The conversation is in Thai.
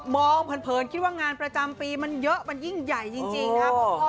เผินคิดว่างานประจำปีมันเยอะมันยิ่งใหญ่จริงนะครับ